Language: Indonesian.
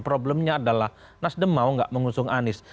problemnya adalah nasdem mau nggak mengusung anies